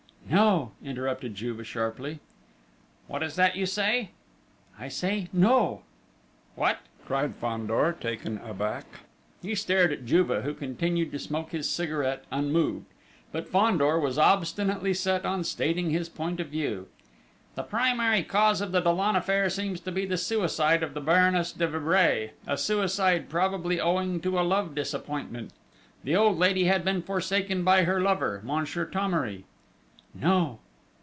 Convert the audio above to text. "No," interrupted Juve, sharply.... "What is that you say?..." "I say no." "What?" cried Fandor, taken aback. He stared at Juve, who continued to smoke his cigarette, unmoved. But Fandor was obstinately set on stating his point of view. "The primary cause of the Dollon affair seems to be the suicide of the Baroness de Vibray, a suicide probably owing to a love disappointment the old lady had been forsaken by her lover Monsieur Thomery!..." "No."